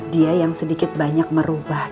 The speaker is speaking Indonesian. dia yang sedikit banyak merubah